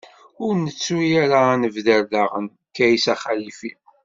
Ur ntettu ara ad d-nebder daɣen Kaysa Xalifi.